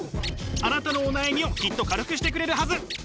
あなたのお悩みをきっと軽くしてくれるはず。